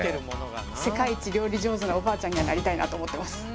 世界一料理上手なおばあちゃんにはなりたいなと思ってます。